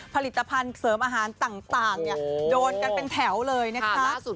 ผลิตภัณฑ์เสริมอาหารต่างโดนกันเป็นแถวเลยนะคะ